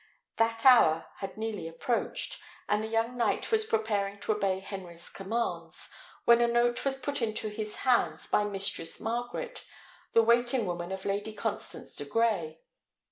That hour had nearly approached, and the young knight was preparing to obey Henry's commands, when a note was put into his hands by Mistress Margaret, the waiting woman of Lady Constance de Grey.